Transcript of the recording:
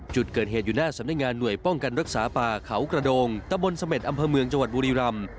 จุดเกิดเหตุอยู่หน้าสำนักงานหน่วยป้องกันรักษาป่าเขากระโดงตะบนเสม็ดอำเภอเมืองจังหวัดบุรีรำ